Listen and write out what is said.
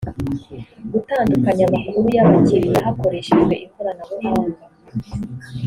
gutandukanya amakuru y’abakiriya hakoreshejwe ikoranabuhanga